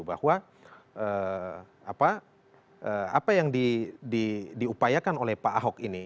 bahwa apa yang diupayakan oleh pak ahok ini